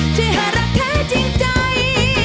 ที่หารักแท้จริงใจ